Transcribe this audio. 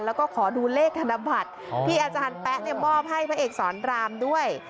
แล้วก็ขอดูเลขธนบัตรที่อาจารย์แป๊ะมอบให้พระเอกสอนรามด้วย